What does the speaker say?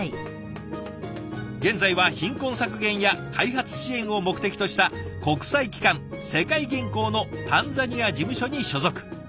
現在は貧困削減や開発支援を目的とした国際機関世界銀行のタンザニア事務所に所属。